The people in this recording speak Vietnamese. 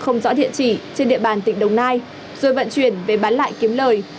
không rõ địa chỉ trên địa bàn tỉnh đồng nai rồi vận chuyển về bán lại kiếm lời